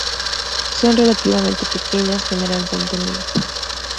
Son relativamente pequeñas, generalmente negras.